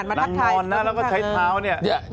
นั่งนอนนะแล้วก็ใช้เท้าเนี่ย